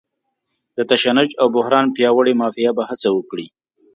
د تشنج او بحران پیاوړې مافیا به هڅه وکړي.